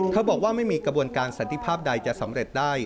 เขาบอกว่าไม่มีกระบวนการสันติภาพใดจะสำเร็จได้